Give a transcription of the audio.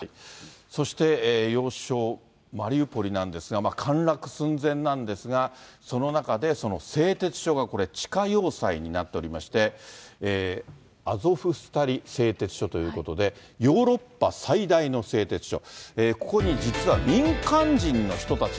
そして、要衝マリウポリなんですが、陥落寸前なんですが、その中で、製鉄所がこれ、地下要塞になっておりまして、アゾフスタリ製鉄所ということで、ヨーロッパ最大の製鉄所。